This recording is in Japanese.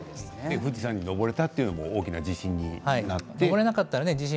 富士山に登れたというのも大きな自信ですね。